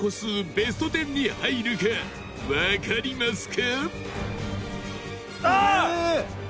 ベスト１０に入るかわかりますか？